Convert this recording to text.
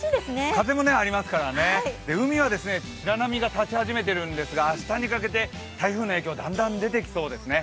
風もありますからね、海は白波が立ち始めているんですが、明日にかけて台風の影響、だんだんと出てきそうですね。